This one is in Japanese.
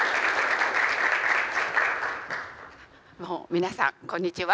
皆さんこんにちは。